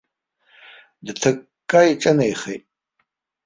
Дҭыкка иҿынеихеит.